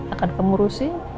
akan kamu urusin